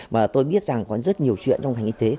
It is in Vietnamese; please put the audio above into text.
mà tôi biết rằng có rất nhiều chuyện trong ngành y tế